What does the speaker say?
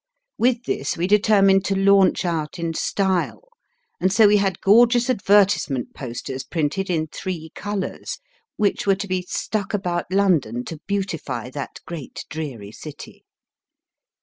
With this we determined to launch out in style, and so we had gorgeous advertisement posters printed in three colours, which were to be stuck about London to beautify that great dreary city.